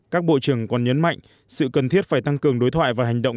các bộ trưởng còn nhấn mạnh sự cần thiết phải tăng cường đối thoại và hành động